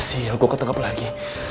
sial gue ketangkap lagi